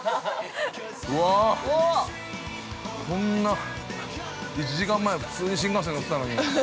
うわっ、こんな１時間前普通に新幹線乗ってたのに。